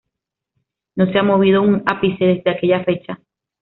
no se ha movido un ápice desde aquella fecha